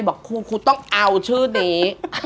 บอกครูต้องเอาชื่อนี้